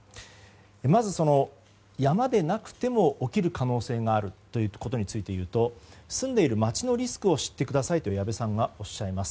まず、山でなくても起きる可能性があることについていうと住んでいる町のリスクを知ってくださいと矢部さんは話します。